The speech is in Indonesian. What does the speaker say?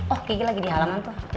oh gigi lagi di halaman tuh